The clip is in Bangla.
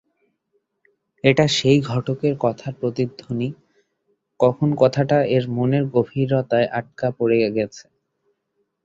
এটা সেই ঘটকের কথার প্রতিধ্বনি– কখন কথাটা এর মনের গভীরতায় আটকা পড়ে গেছে।